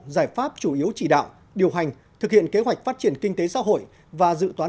giải pháp chủ yếu chỉ đạo điều hành thực hiện kế hoạch phát triển kinh tế xã hội và dự toán